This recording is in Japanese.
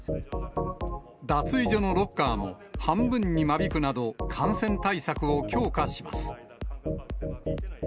脱衣所のロッカーも半分に間引くなど、感染対策を強化します。